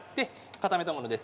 固めたものです。